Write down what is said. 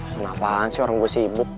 senapan sih orang gue sibuk